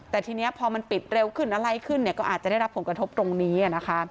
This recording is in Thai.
แต่ทีนี้พอมันปิดเร็วขึ้นอะไรขึ้นก็อาจจะได้รับผลกระทบตรงนี้นะคะ